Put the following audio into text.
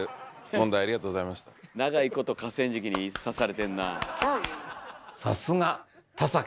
長いこと河川敷にいさせられてんなあ。